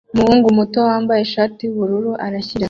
Umuhungu muto wambaye ishati yubururu ashyira